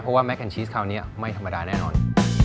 เพราะว่าแมคแนนชีสคราวนี้ไม่ธรรมดาแน่นอน